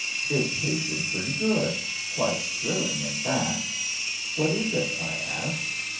It tasted pretty good, quite thrilling in fact. "What is it?" I asked.